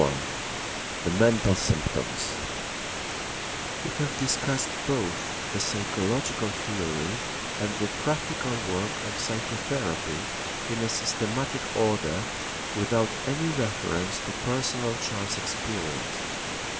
X THE MENTAL SYMPTOMS We have discussed both the psychological theory and the practical work of psychotherapy in a systematic order without any reference to personal chance experience.